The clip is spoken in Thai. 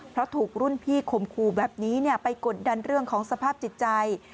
เพราะถูกรุ่นพี่ข่มขู่แบบนี้ไปกดดันเรื่องของสภาพจิตใจ